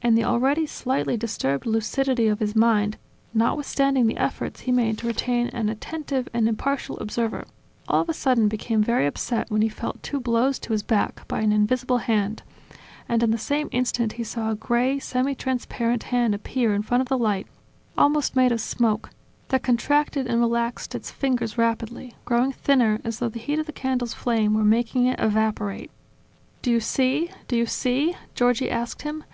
And the already slightly disturbed lucidity of his mind, notwithstanding the efforts he made to remain an attentive and impartial observer, all of a sudden became very upset when he felt two blows to his back by an invisible hand, and in the same instant he saw a gray, semi transparent hand appear in front of the light, almost made of smoke, that contracted and relaxed its fingers rapidly, growing thinner as though the heat of the candle's flame were making it evaporate. "Do you see? Do you see?" Giorgi asked him.